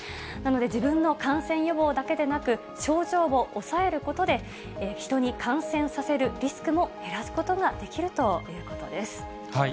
なので自分の感染予防だけでなく、症状を抑えることで、人に感染させるリスクも減らすことができるということです。